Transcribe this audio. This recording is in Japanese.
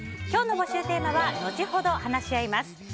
今日の募集テーマは後ほど話し合います